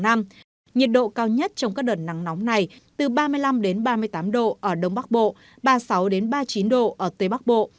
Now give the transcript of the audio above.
nhiệt độ cao nhất trong các đợt nắng nóng này từ ba mươi năm ba mươi tám độ ở đông bắc bộ ba mươi sáu ba mươi chín độ ở tây bắc bộ